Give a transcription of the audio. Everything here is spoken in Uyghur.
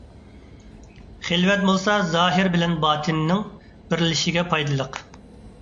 خىلۋەت بولسا زاھىر بىلەن باتىننىڭ بىرلىشىشىگە پايدىلىق.